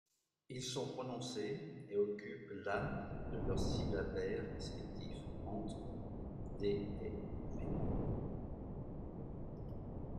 Ils sont prononcés et occupent la de leur syllabaire respectif, entre の et ひ.